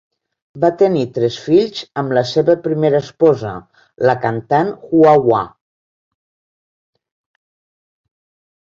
Va tenir tres fills amb la seva primera esposa, la cantant Hua Wa.